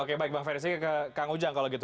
oke baik bang ferry ke kang ujang kalau gitu